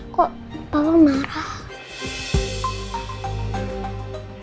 kok bapak marah